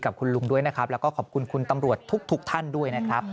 กับคุณลุงด้วยนะครับแล้วก็ขอบคุณคุณตำรวจทุกท่านด้วยนะครับ